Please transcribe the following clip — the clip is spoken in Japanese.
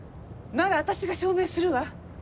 なら私が証明するわ！